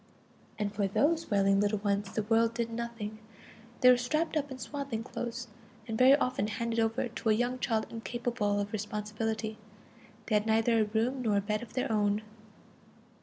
And for these wailing little ones the world did nothing. They were strapped up in swaddling clothes, and very often handed over to a young child incapable of responsibility; they had neither a room nor a bed of their own.